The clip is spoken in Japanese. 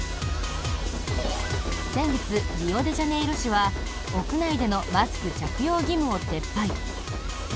先月、リオデジャネイロ市は屋内でのマスク着用義務を撤廃。